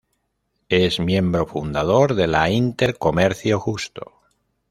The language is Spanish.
Es miembro fundador de la Inter-Comercio Justo.